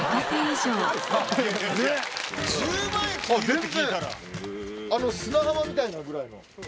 全然砂浜みたいなぐらいの。